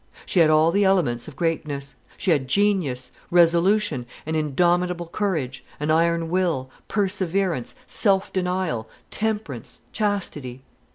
She had all the elements of greatness. She had genius, resolution, an indomitable courage, an iron will, perseverance, self denial, temperance, chastity.